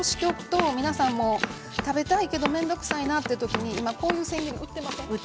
食べたいけど面倒くさいなという時に、こういう千切り売っていません？